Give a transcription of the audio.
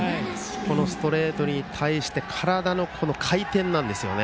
ストレートに対して体の回転なんですよね。